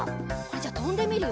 じゃあとんでみる？